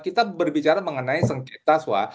kita berbicara mengenai sengketaswa